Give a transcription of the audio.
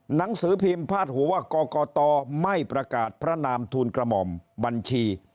หนังสือพิมพ์พาดหัวว่ากรกตไม่ประกาศพระนามทูลกระหม่อมบัญชี